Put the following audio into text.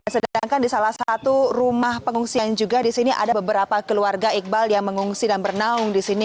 sedangkan di salah satu rumah pengungsian juga di sini ada beberapa keluarga iqbal yang mengungsi dan bernaung di sini